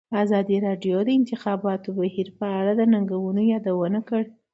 ازادي راډیو د د انتخاباتو بهیر په اړه د ننګونو یادونه کړې.